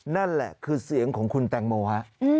นั่นแหละคือเสียงของคุณแตงโมฮะ